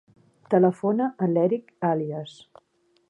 Telefona a l'Erick Alias.